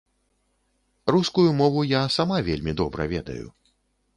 Рускую мову я сама вельмі добра ведаю.